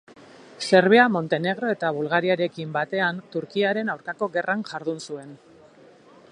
Serbia, Montenegro eta Bulgariarekin batean Turkiaren aurkako gerran jardun zuen.